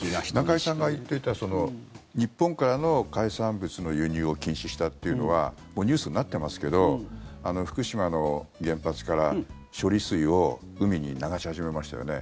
中居さんが言っていた日本からの海産物の輸入を禁止したというのはもうニュースになってますけど福島の原発から処理水を海に流し始めましたよね。